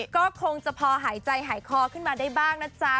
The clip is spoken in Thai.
ก็คงจะพอหายใจหายคอขึ้นมาได้บ้างนะจ๊ะ